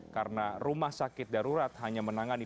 karena rumah sakit darurat hanya menangani